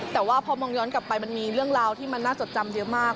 แต่ว่าพอมองย้อนกลับไปมันมีเรื่องราวที่มันน่าจดจำเยอะมาก